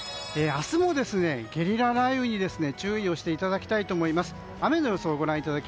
明日もゲリラ雷雨に、注意をしていただきたいと思います。